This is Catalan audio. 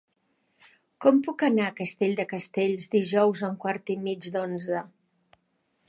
Com puc anar a Castell de Castells dijous a un quart i mig d'onze?